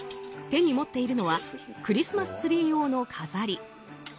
手に持っているのはクリスマスツリー用の飾り。